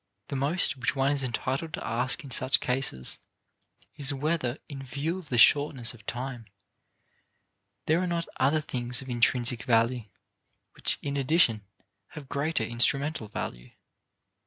The most which one is entitled to ask in such cases is whether in view of the shortness of time, there are not other things of intrinsic value which in addition have greater instrumental value.